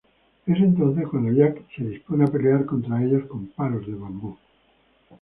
Es entonces cuando Jack se dispone a pelear contra ellos con palos de bambú.